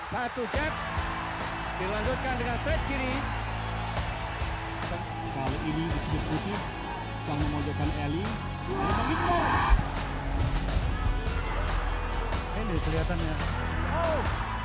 hai satu satunya langsungkan dengan terkini kalau ini disitu